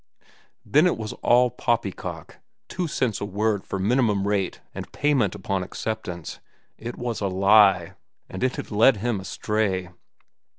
Then it was all poppycock, two cents a word for minimum rate and payment upon acceptance. It was a lie, and it had led him astray.